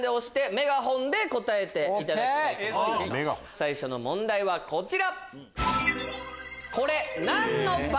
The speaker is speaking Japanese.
最初の問題はこちら！